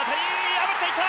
破っていった！